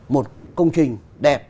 một công trình đẹp